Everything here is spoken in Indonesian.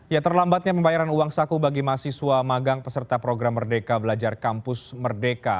ya terlambatnya pembayaran uang saku bagi mahasiswa magang peserta program merdeka belajar kampus merdeka